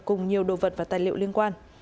cùng nhiều đồ vật và tài liệu liên quan